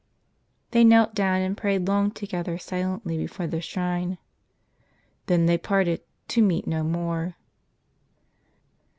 They knelt down, and prayed long together silently before the shrine. They then parted, to meet no more.